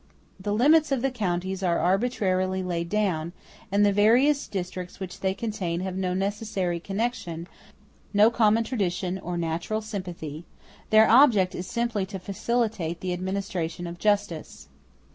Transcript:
The limits of the counties are arbitrarily laid down, and the various districts which they contain have no necessary connection, no common tradition or natural sympathy; their object is simply to facilitate the administration of justice.